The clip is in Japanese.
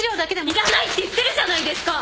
いらないって言ってるじゃないですか！